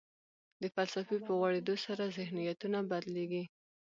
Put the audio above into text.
د فلسفې په غوړېدو سره ذهنیتونه بدلېږي.